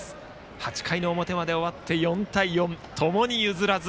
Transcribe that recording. ８回の表まで終わって４対４ともに譲らず。